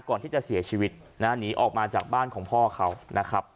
ก่อนที่จะเสียชีวิตนะฮะหนีออกมาจากบ้านของพ่อเขานะครับ